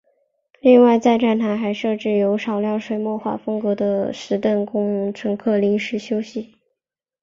另外在站台上还设置有少量水墨画风格的石凳供乘客临时休息。